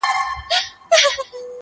د بُت له ستوني اورمه آذان څه به کوو؟!